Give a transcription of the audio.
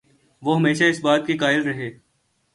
وہ ہمیشہ اس بات کے قائل رہے